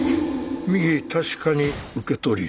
右確かに受け取り候。